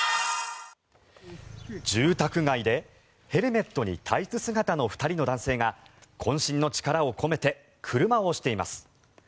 住宅街でヘルメットにタイツ姿の２人の男性がこん身の力を込めて車を押しています。